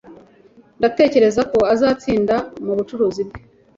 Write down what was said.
Ndatekereza ko azatsinda mubucuruzi bwe